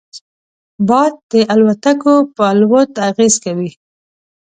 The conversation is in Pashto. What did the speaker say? باد د الوتکو پر الوت اغېز کوي